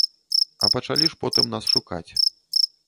А пачалі ж потым нас шукаць.